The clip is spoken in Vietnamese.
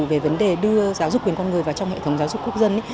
về vấn đề đưa giáo dục quyền con người vào trong hệ thống giáo dục quốc dân